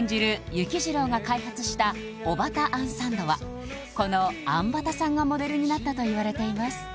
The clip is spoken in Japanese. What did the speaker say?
雪次郎が開発したおバタ餡サンドはこのあんバタサンがモデルになったといわれています